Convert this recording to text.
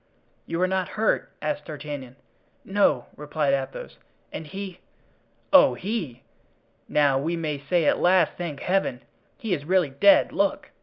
"You are not hurt?" asked D'Artagnan. "No," replied Athos; "and he——" "Oh, he! now we may say at last, thank Heaven! he is really dead. Look!"